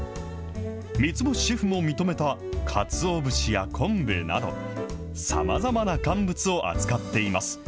３つ星シェフも認めたかつお節や昆布など、さまざまな乾物を扱っています。